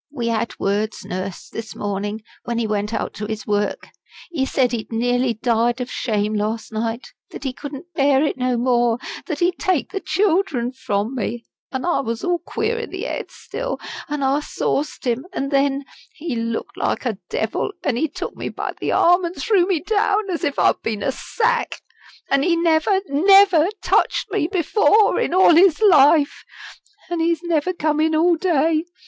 "We had words, Nurse, this morning, when he went out to his work. He said he'd nearly died of shame last night; that he couldn't bear it no more; that he'd take the children from me. And I was all queer in the head still, and I sauced him and then he looked like a devil and he took me by the arm and threw me down as if I'd been a sack. An' he never, never, touched me before in all his life. An' he's never come in all day.